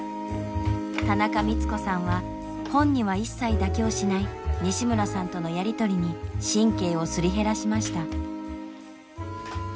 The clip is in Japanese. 田中光子さんは本には一切妥協しない西村さんとのやり取りに神経をすり減らしました。